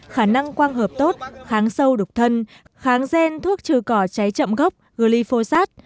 khả năng quang hợp tốt kháng sâu đục thân kháng gen thuốc trừ cỏ cháy chậm gốc glyphosat